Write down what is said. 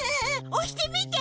おしてみて！